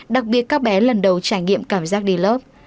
đặc biệt các bé lần đầu trải nghiệm cảm giác đi lớp